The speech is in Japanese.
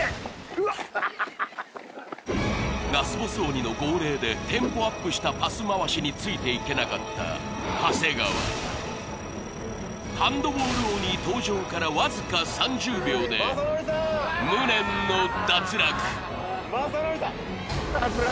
うわっラスボス鬼の号令でテンポアップしたパス回しについていけなかった長谷川ハンドボール鬼登場からわずか３０秒で無念の脱落まさのりさん！